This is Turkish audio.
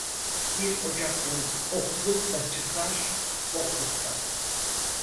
Bir ocaktan okluk da çıkar, bokluk da.